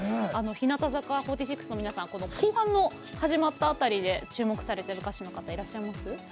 日向坂４６の皆さん後半始まった辺りで注目されている歌手の方いらっしゃいます？